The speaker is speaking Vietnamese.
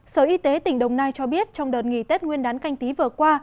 sở y tế tỉnh đồng nai cho biết trong đợt nghỉ tết nguyên đán canh tí vừa qua